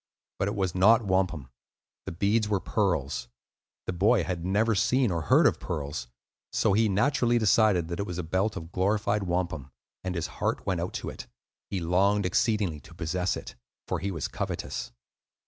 But it was not wampum; the beads were pearls. The boy had never seen or heard of pearls, so he naturally decided that it was a belt of glorified wampum, and his heart went out to it; he longed exceedingly to possess it, for he was covetous.